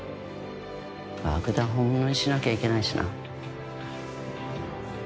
爆弾を本物にしなきゃいけないしな。